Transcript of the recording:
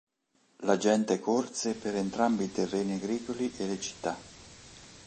La gente corse per entrambi i terreni agricoli e le città.